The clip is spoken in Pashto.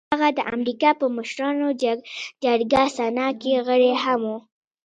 هغه د امريکا په مشرانو جرګه سنا کې غړی هم و.